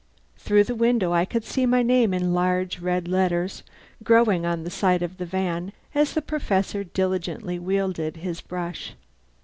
Through the window I could see my name in large, red letters, growing on the side of the van, as the Professor diligently wielded his brush.